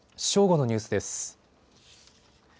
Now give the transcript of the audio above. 正午のニュースです。